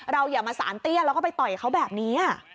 อย่ามาสารเตี้ยแล้วก็ไปต่อยเขาแบบนี้